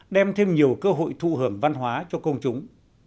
đem thêm nhiều cơ hội thụ hưởng văn hóa cho công chúng